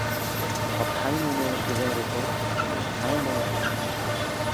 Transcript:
איך האָב קיינמאָל מער נישט געזען רחל און זי וועט קיינמאָל נישט וויסן